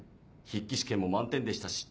筆記試験も満点でしたし。